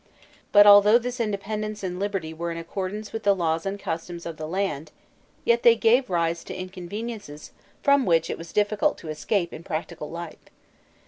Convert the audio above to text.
* But although this independence and liberty were in accordance with the laws and customs of the land, yet they gave rise to inconveniences from which it was difficult to escape in practical life.